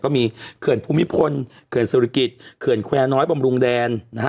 เกินภูมิพลเกินศิริกิจเกินแควร์น้อยบำรุงแดนนะฮะ